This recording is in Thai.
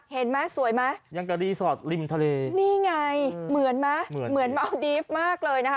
เห็นไหมสวยไหมนี่ไงเหมือนไหมเหมือนเมาส์ดีฟมากเลยนะคะ